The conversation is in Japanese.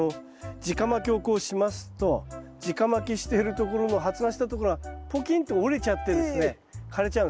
じかまきをこうしますとじかまきしているところの発芽したところがポキンと折れちゃってですね枯れちゃうんです。